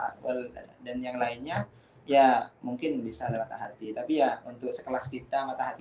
akal dan yang lainnya ya mungkin bisa lewat hati tapi ya untuk sekelas kita mata hati